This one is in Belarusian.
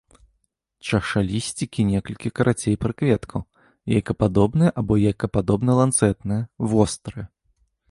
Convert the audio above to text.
Чашалісцікі некалькі карацей прыкветкаў, яйкападобныя або яйкападобна-ланцэтныя, вострыя.